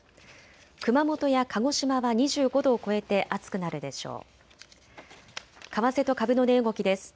熊本や鹿児島は２５度を超えて暑くなるでしょう。